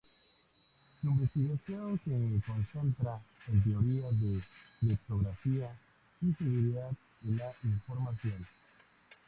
Su investigación se concentra en teoría de criptografía y seguridad de la información.